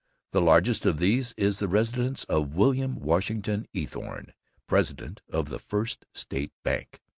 The largest of these is the residence of William Washington Eathorne, president of the First State Bank.